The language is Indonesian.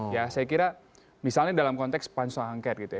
saya kira misalnya dalam konteks panjang angket gitu ya